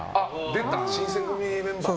出た、「新選組」メンバーで。